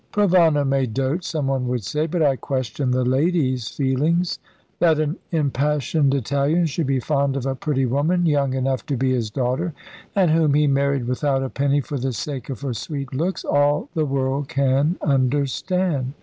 "Provana may dote," someone would say; "but I question the lady's feelings. That an impassioned Italian should be fond of a pretty woman, young enough to be his daughter, and whom he married without a penny for the sake of her sweet looks, all the world can understand.